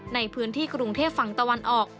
ในพื้นที่กรุงเทพฝั่งตะวันออก